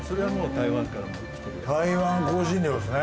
台湾香辛料ですね。